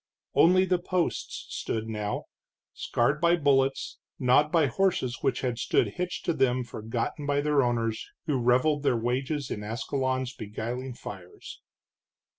Only the posts stood now, scarred by bullets, gnawed by horses which had stood hitched to them forgotten by their owners who reveled their wages in Ascalon's beguiling fires.